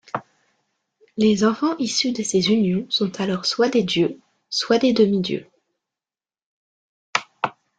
Les enfants issus de ces unions sont alors soit des dieux, soit des demi-dieux.